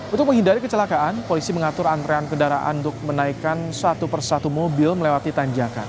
untuk menghindari kecelakaan polisi mengatur antrean kendaraan untuk menaikkan satu persatu mobil melewati tanjakan